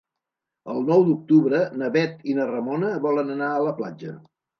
El nou d'octubre na Bet i na Ramona volen anar a la platja.